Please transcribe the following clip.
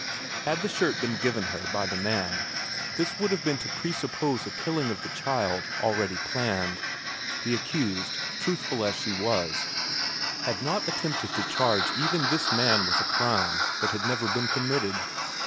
Had the shirt been given her by the man, this would have been to presuppose a killing of the child already planned the accused, truthful as she was, had not attempted to charge even this man with a crime that had never been committed.